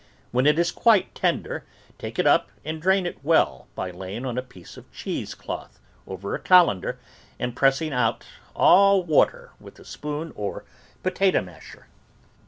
When it is quite tender, take it up and drain it well by lay ing on a piece of cheese cloth over a colander and pressing out all water with a spoon or potato masher.